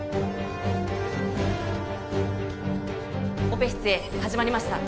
オペ室Ａ始まりました。